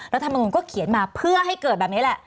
รัฐมนุนก็เขียนมาเพื่อให้เกิดแบบนี้แหละ